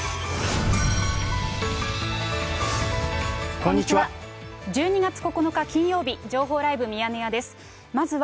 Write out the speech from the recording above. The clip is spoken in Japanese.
こんにちは。